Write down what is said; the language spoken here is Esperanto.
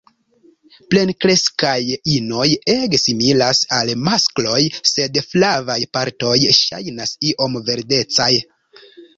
Plenkreskaj inoj ege similas al maskloj, sed flavaj partoj ŝajnas iom verdecaj.